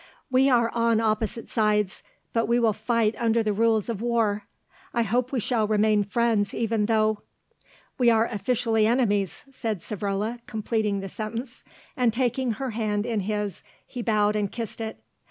"We are on opposite sides, but we will fight under the rules of war. I hope we shall remain friends even though " "We are officially enemies," said Savrola, completing the sentence, and taking her hand in his he bowed and kissed it.